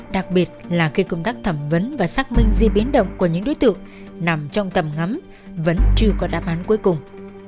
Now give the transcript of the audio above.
đặc biệt là khi công tác thẩm vấn và xác minh di biến động của những đối tượng nằm trong tầm ngắm vẫn chưa có đáp án cuối cùng